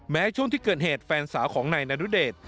แม้ช่วงที่เกิดเหตุแฟนสาของในดนตรีเดชน์